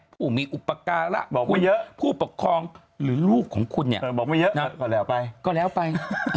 ผู้ปกครองหรือลูกของคุณเนี่ยบอกไม่เยอะก็แล้วไปก็แล้วไป